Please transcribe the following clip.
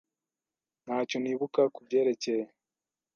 Ntacyo nibuka kubyerekeye.